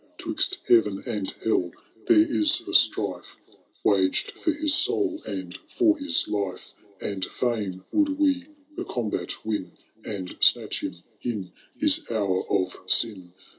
*Twizt heaven and hell there is a strife Waged for his soul and for his life. And fisdn would we the combat win. And snatch him in his hour of sin.